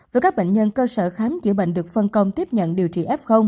với các bệnh nhân cơ sở khám chữa bệnh được phân công tiếp nhận điều trị f